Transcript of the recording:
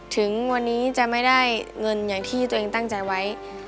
ถึงวันนี้จะไม่ได้เงินอย่างที่ตัวเองตั้งใจไว้